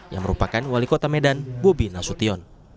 yang merupakan wali kota medan bobi nasution